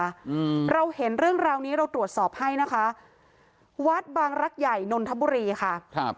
อืมเราเห็นเรื่องราวนี้เราตรวจสอบให้นะคะวัดบางรักใหญ่นนทบุรีค่ะครับ